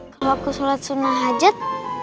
kalau aku sholat sunnah hajat